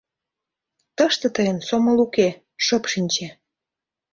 Тыште тыйын сомыл уке, шып шинче!